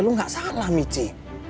lu gak salah michi